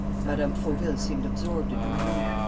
Mme. Fauville seemed absorbed in her grief.